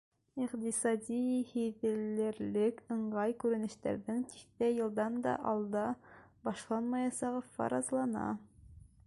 Иҡтисадта һиҙелерлек ыңғай күренештәрҙең тиҫтә йылдан да алда башланмаясағы фаразлана.